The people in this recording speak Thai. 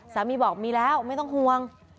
สามีบอกมีแล้วไม่ต้องห่วง